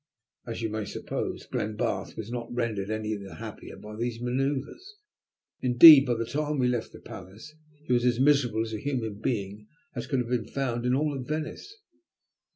As you may suppose, Glenbarth was not rendered any the happier by these manoeuvres; indeed, by the time we left the Palace, he was as miserable a human being as could have been found in all Venice.